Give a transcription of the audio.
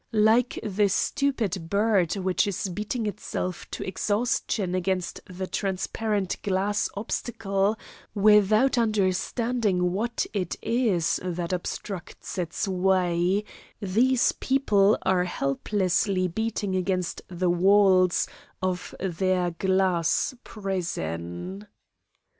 Like the stupid bird which is beating itself to exhaustion against the transparent glass obstacle, without understanding what it is that obstructs its way, these people are helplessly beating against the walls of their glass prison.